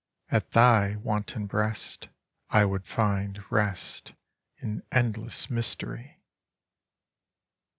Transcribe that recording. at thy wanton breast, I would find rest in endless mystery.